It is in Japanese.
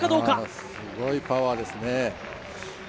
すごいパワーですね。